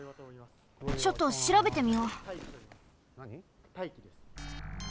ちょっとしらべてみよう。